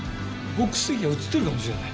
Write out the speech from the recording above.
ボックス席が写ってるかもしれない。